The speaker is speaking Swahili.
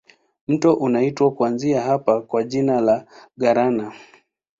Mto unaitwa kuanzia hapa kwa jina la Galana.